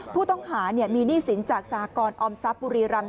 ผู้ต้องหามีหนี้สินจากสหกรออมทรัพย์บุรีรำ